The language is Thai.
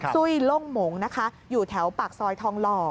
ซุ้ยล่มงอยู่แถวปากซอยทองหล่อ